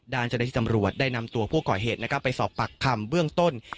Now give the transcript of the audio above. เจ้าหน้าที่ตำรวจได้นำตัวผู้ก่อเหตุนะครับไปสอบปากคำเบื้องต้น